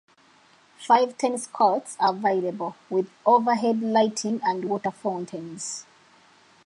Five tennis courts are available, with overhead lighting and water fountains.